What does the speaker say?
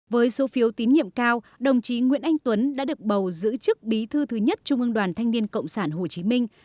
với số phiếu tín nhiệm cao đồng chí nguyễn anh tuấn đã được bầu giữ chức bí thư thứ nhất trung ương đoàn thanh niên cộng sản hồ chí minh